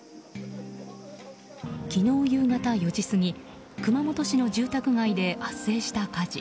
昨日夕方４時過ぎ熊本市の住宅街で発生した火事。